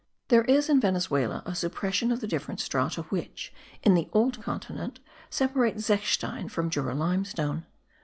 There is in Venezuela a suppression of the different strata which, in the old continent, separate zechstein from Jura limestone.